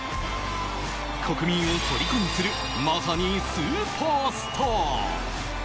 国民をとりこにする、まさにスーパースター！